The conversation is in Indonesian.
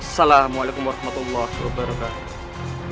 assalamualaikum warahmatullah wabarakatuh